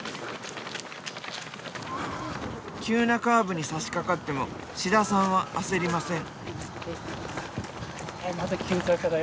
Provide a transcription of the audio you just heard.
急なカーブにさしかかっても志田さんは焦りません。